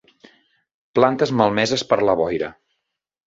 Plantes malmeses per la boira.